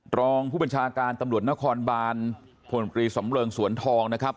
รองผู้บัญชาการตำรวจนครบานพลตรีสำเริงสวนทองนะครับ